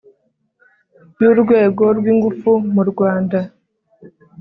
ry'urwego rw'ingufu mu rwanda